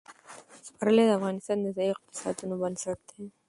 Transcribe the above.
پسرلی د افغانستان د ځایي اقتصادونو بنسټ دی.